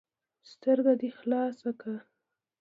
ـ سترګه دې خلاصه که.